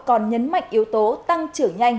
còn nhấn mạnh yếu tố tăng trở nhanh